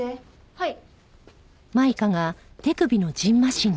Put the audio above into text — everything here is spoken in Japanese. はい。